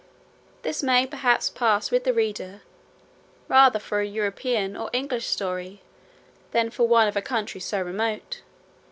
This may perhaps pass with the reader rather for an European or English story, than for one of a country so remote.